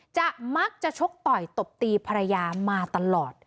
จะมักจะชกต่อยตบตีภรรยามาตลอด